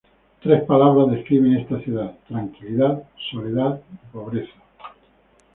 Tres palabras describen esta ciudad: tranquilidad, soledad y pobreza.